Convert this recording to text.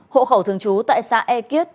hộ khẩu thường trú tại xã e kiết